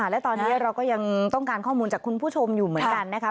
และตอนนี้เราก็ยังต้องการข้อมูลจากคุณผู้ชมอยู่เหมือนกันนะคะ